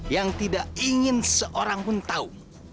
yang tidak ingin seorang pun tahu